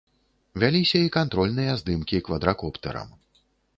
Вяліся і кантрольныя здымкі квадракоптэрам.